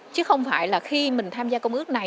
chứ không phải là khi mình tham gia công ước này